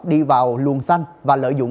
đi vào luồng xanh và lợi dụng